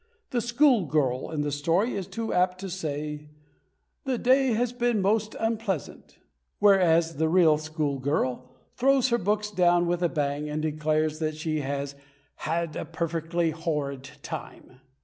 The schoolgirl in the story is too apt to say: "The day has been most unpleasant," whereas the real schoolgirl throws her books down with a bang, and declares that she has "had a perfectly horrid time!"